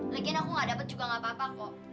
lagian aku nggak dapet juga nggak apa apa kok